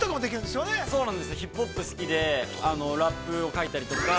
ヒップホップが好きでラップを書いたりとか。